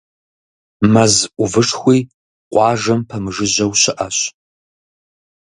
Мэз ӏувышхуи къуажэм пэмыжыжьэу щыӏэщ.